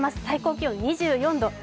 最高気温２４度。